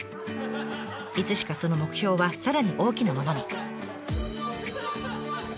いつしかその目標はさらに大きなものに。